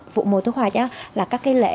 vụ mùa thu hoạch là các cái lễ